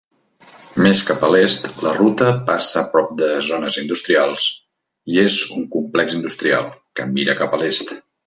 Més cap a l"est, la ruta passa prop de zones industrials i és un complex industrial, que mira cap a l"est.